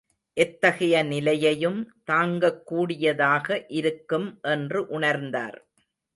எத்தகைய நிலையையும் தாங்கக் கூடியதாக இருக்கும் என்று உணர்ந்தார்.